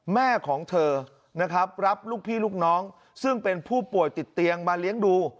แม่ของเธอนะครับรับลูกพี่ลูกน้องซึ่งเป็นผู้ป่วยติดเตียงมาเลี้ยงดู